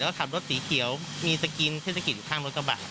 แล้วก็ถับรถสีเขียวมีสกรีนเทศกิจข้างรถกระบาดครับผม